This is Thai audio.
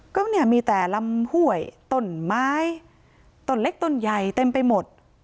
ก็เนี่ยมีแต่ลำห้วยต้นไม้ต้นเล็กต้นใหญ่เต็มไปหมด